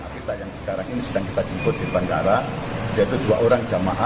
kita yang sekarang ini sedang kita jemput di bandara yaitu dua orang jamaah